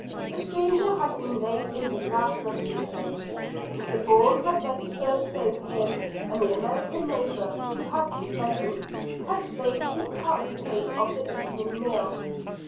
The stranger had been laid in his last resting place, Mr Bourne had read the service over him, and the American neighbour, who had been present, had stayed to partake of the evening meal.